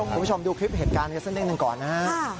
คุณชอบดูคลิปเหตุการณ์กันก่อนนะ